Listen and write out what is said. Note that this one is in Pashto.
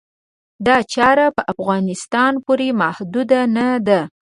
دا چاره په افغانستان پورې محدوده نه ده.